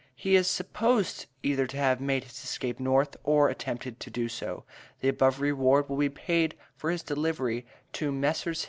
He is supposed either to have made his escape North, or attempted to do so. The above reward will be paid for his delivery to Messrs.